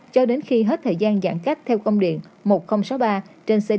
cho đến khi hết thời gian giãn cách theo công điện